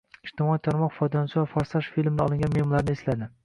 Ijtimoiy tarmoq foydalanuvchilari “Forsaj” filmidan olingan memlarni esladi